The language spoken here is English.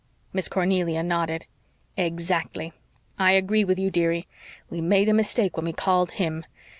Miss Cornelia nodded. "Exactly. I agree with you, dearie. We made a mistake when we called HIM.